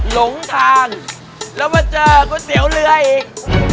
หลงทางแล้วมาเจอก๋วยเตี๋ยวเรืออีก